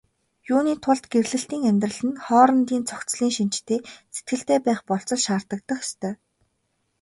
Юуны тулд гэрлэлтийн амьдрал нь хоорондын зохицлын шинжтэй сэтгэлтэй байх болзол шаардагдах ёстой.